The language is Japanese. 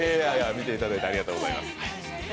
見ていただいてありがとうございます。